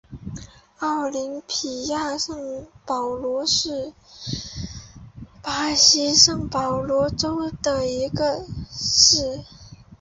奥林匹亚圣保罗是巴西圣保罗州的一个市镇。